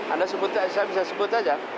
anda sebutnya saya bisa sebut saja